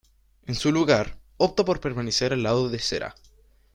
En su lugar, opta por permanecer al lado de Serah.